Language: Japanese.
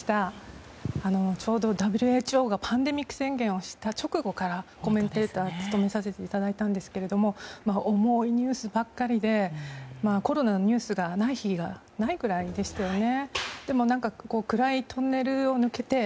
ちょうどＷＨＯがパンデミック宣言をした直後からコメンテーターを務めさせていただいたんですが重いニュースばっかりでコロナのないニュースがない日がないぐらいでしたよね。